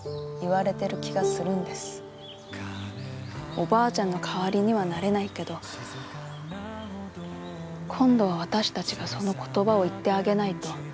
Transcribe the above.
おばあちゃんの代わりにはなれないけど今度は私たちがその言葉を言ってあげないと。